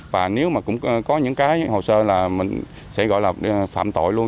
và nếu mà cũng có những cái hồ sơ là mình sẽ gọi là phạm tội luôn